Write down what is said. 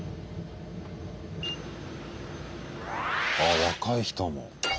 あ若い人も。